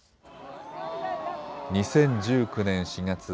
２０１９年４月。